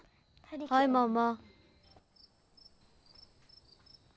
はいママ。